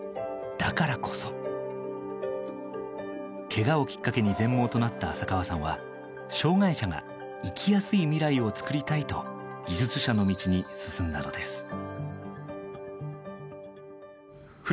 だからこそけがをきっかけに全盲となった浅川さんは障害者が生きやすい未来を作りたいと技術者の道に進んだのです。